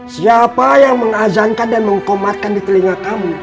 siapa yang mengazankan dan mengkomatkan di telinga kamu